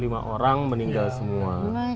lima orang meninggal semua